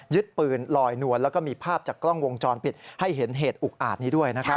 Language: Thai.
ปืนลอยนวลแล้วก็มีภาพจากกล้องวงจรปิดให้เห็นเหตุอุกอาจนี้ด้วยนะครับ